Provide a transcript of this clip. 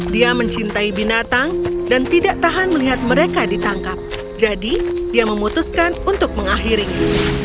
dia mencintai binatang dan tidak tahan melihat mereka ditangkap jadi dia memutuskan untuk mengakhirinya